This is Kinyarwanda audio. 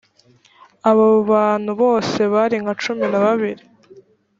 abo bantu bose bari nka cumi na babiri